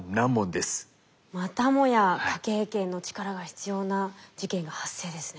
またもや科警研の力が必要な事件が発生ですね。